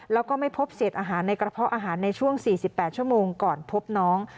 แล้วก็ไม่พบเศษอาหารในกระเพาะอาหารในช่วง๔๘ชั่วโมงก่อนพบน้อง